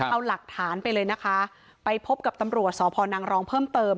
เอาหลักฐานไปเลยนะคะไปพบกับตำรวจสพนังรองเพิ่มเติม